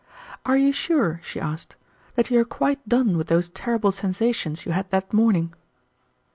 "Are you sure," she asked, "that you are quite done with those terrible sensations you had that morning?"